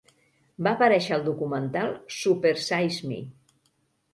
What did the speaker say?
Va aparèixer al documental "Super Size Me".